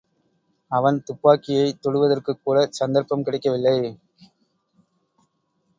அவன் துப்பாக்கியைத் தொடுவதற்குக் கூடச் சந்தர்ப்பம் கிடைக்கவில்லை.